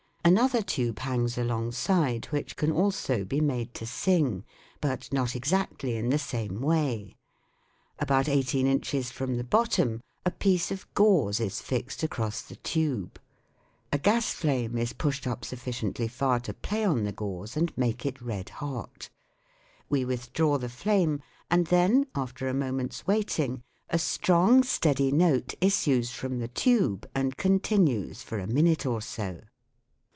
Another tube hangs alongside which can also be made to sing, but not exactly in the same way. About eighteen inches from the bottom a piece of gauze is fixed across the tube ; a gas flame is pushed up sufficiently far to play on the gauze and make it red hot. We withdraw the flame, and then, after a moment's wait ing, a strong steady note issues from the tube and continues for a minute or so.